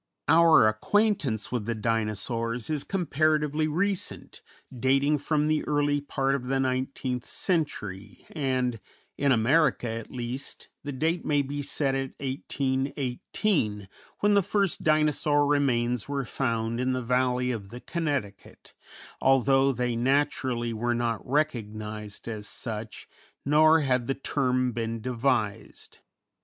Our acquaintance with the Dinosaurs is comparatively recent, dating from the early part of the nineteenth century, and in America, at least, the date may be set at 1818, when the first Dinosaur remains were found in the Valley of the Connecticut, although they naturally were not recognized as such, nor had the term been devised.